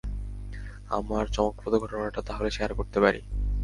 আমার চমকপ্রদ ঘটনাটা তাহলে শেয়ার করতে পারি!